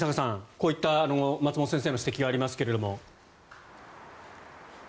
こういった松本先生の指摘がありますけども。